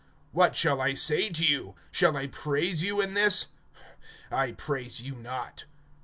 What shall I say to you? Shall I praise you in this? I praise you not.